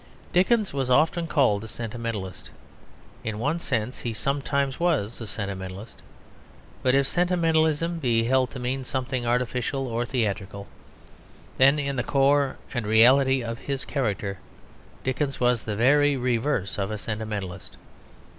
Dickens was often called a sentimentalist. In one sense he sometimes was a sentimentalist. But if sentimentalism be held to mean something artificial or theatrical, then in the core and reality of his character Dickens was the very reverse of a sentimentalist.